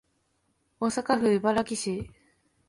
大阪府茨木市